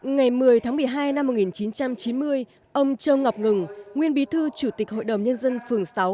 ngày một mươi tháng một mươi hai năm một nghìn chín trăm chín mươi ông châu ngọc ngừng nguyên bí thư chủ tịch hội đồng nhân dân phường sáu